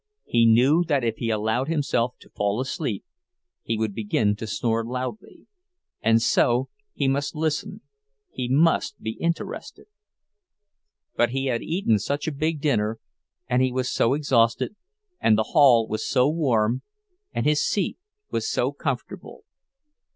He knew that if he allowed himself to fall asleep he would begin to snore loudly; and so he must listen—he must be interested! But he had eaten such a big dinner, and he was so exhausted, and the hall was so warm, and his seat was so comfortable!